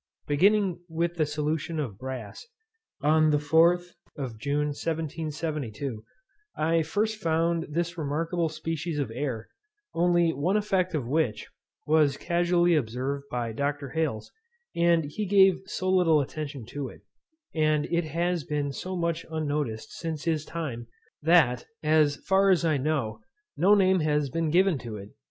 Beginning with the solution of brass, on the 4th of June 1772, I first found this remarkable species of air, only one effect of which, was casually observed by Dr. Hales; and he gave so little attention to it, and it has been so much unnoticed since his time, that, as far as I know, no name has been given to it.